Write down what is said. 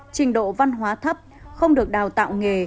trình độ văn hóa thấp không được đào tạo nghề